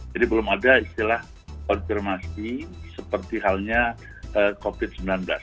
jadi belum ada istilah konfirmasi seperti halnya covid sembilan belas